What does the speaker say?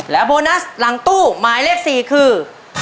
โบนัสหลังตู้หมายเลข๔คือ